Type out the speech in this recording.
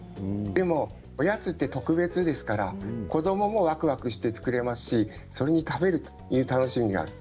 でもおやつは特別ですから子どももわくわくして作れますしそれに食べるという楽しみがある。